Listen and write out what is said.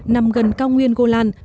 nằm gần cao nguyên golan